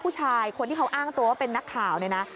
ผู้ชายคนที่เขาอ้างตัวว่าเป็นนักข่าวเนี่ยนะ